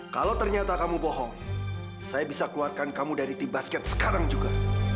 kalau ternyata kamu bohong saya bisa keluarkan kamu dari tim basket sekarang juga